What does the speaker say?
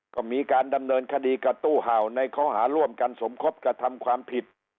ก็มีการดำเนินคดีกับตู้เห่าในข้อหาร่วมกันสมคบกระทำความผิด